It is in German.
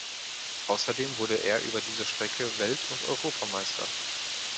Außerdem wurde er über diese Strecke Welt- und Europameister.